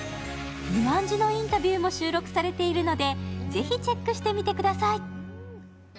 ２万字のインタビューも収録されているのでぜひチェックしてみてください。